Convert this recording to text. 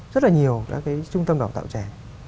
rất là nhiều trung tâm đào tạo trẻ